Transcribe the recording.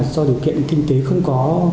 do điều kiện kinh tế không có